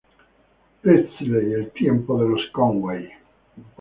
Priestley, "El tiempo de los Conway".